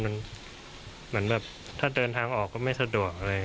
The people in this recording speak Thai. เหมือนแบบถ้าเดินทางออกก็ไม่สะดวกอะไร